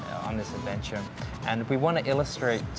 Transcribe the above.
dan kita ingin menilai kepada masyarakat